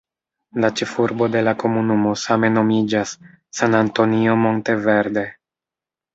La ĉefurbo de la komunumo same nomiĝas "San Antonio Monte Verde".